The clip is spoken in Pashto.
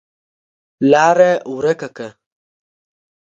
لاره ورکه کړه.